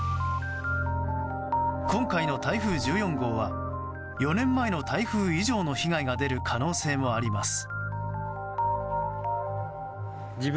今回の台風１４号は４年前の台風以上の被害が出る可能性もあります。